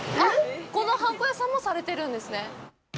このはんこ屋さんもされてるんですね。